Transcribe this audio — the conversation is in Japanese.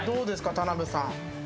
田辺さん。